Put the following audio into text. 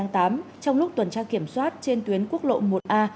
trong lúc tuần tra kiểm soát trên tuyến quốc lộ một a